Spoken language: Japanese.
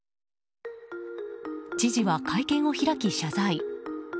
知事は会見を開き、謝罪。